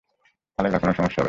থালাইভা, কোনো সমস্য হবে না।